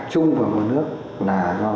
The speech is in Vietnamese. trung với nguồn nước là do